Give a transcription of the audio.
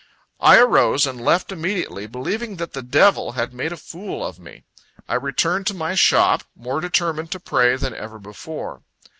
I arose, and left immediately, believing that the devil had made a fool of me. I returned to my shop, more determined to pray than ever before.